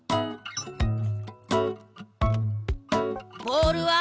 ボールは！？